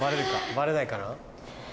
バレないかな？